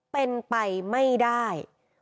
เป็นไปไม่ได้